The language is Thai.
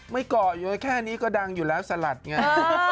เกาะเยอะแค่นี้ก็ดังอยู่แล้วสลัดไง